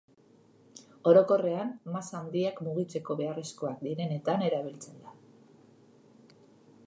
Orokorrean masa handiak mugitzeko beharrezkoak direnetan erabiltzen da.